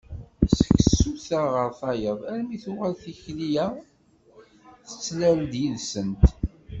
Seg tsuta ɣer tayeḍ armi tuɣal tikli-a tettlal-d yid-sent.